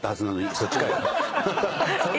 そっちかい！